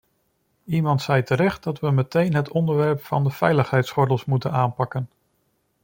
Iemand zei terecht dat we meteen het onderwerp van de veiligheidsgordels moeten aanpakken.